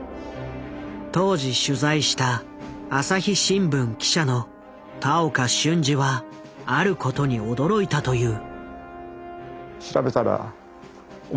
当時取材した朝日新聞記者の田岡俊次はあることに驚いたという。